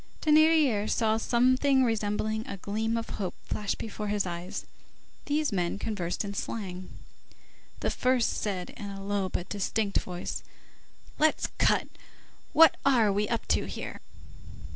Thénardier saw something resembling a gleam of hope flash before his eyes,—these men conversed in slang. The first said in a low but distinct voice:— "Let's cut. What are we up to here?"